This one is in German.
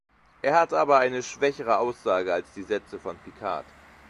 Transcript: Er hat aber eine schwächere Aussage als die Sätze von Picard.